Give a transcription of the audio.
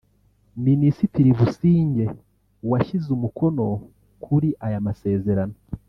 Minisitiri Busingye washyize umukono kuri aya masezerano